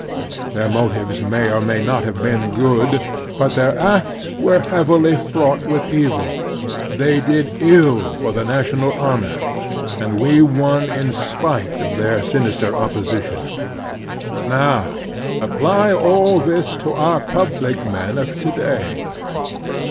Their motives may or may not have been good, but their acts were heavily fraught with evil. They did ill for the national honor, and we won in spite of their sinister opposition. Now, apply all this to our public men of to day.